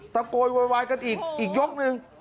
โกยโวยวายกันอีกอีกยกนึง